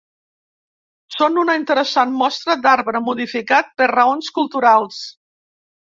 Són una interessant mostra d'arbre modificat per raons culturals.